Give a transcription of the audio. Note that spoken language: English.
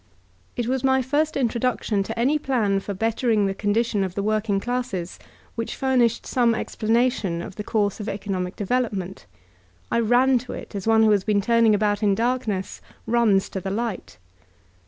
It was my first introduction to any plan for bettering the condition of tl.e working classes which furnished some explanation c ' the course of economic development, and I ran to it as one who has been turning about in dark ness runs to the light.